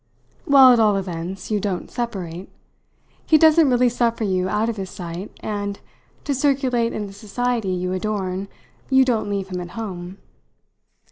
"Well, at all events, you don't separate. He doesn't really suffer you out of his sight, and, to circulate in the society you adorn, you don't leave him at home."